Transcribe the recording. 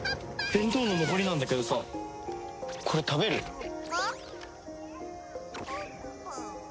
弁当の残りなんだけどさこれ食べる？ホ？ホッパー。